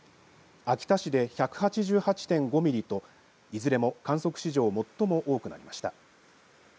秋田市で１８８．５ミリといずれも観測史上最も多くなりました。